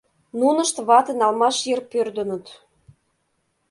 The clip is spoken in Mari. Нунышт вате налмаш йыр пӧрдыныт.